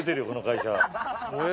この会社。